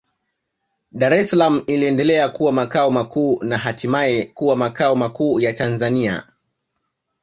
Dar es Salaam iliendelea kuwa makao makuu na hatimaye kuwa makao makuu ya Tanzania